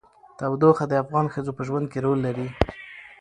تودوخه د افغان ښځو په ژوند کې رول لري.